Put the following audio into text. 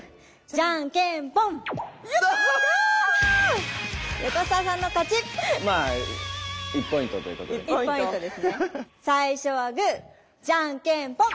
じゃんけんぽん！